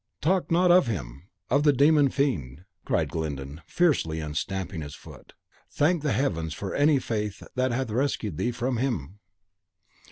"Talk not of him, of the demi fiend!" cried Glyndon, fiercely, and stamping his foot. "Thank the Heavens for any fate that hath rescued thee from him!"